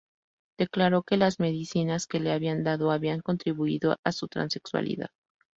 Declaró que las medicinas que le habían dado habían contribuido a su transexualidad.